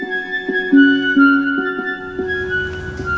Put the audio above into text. terus gimana atukang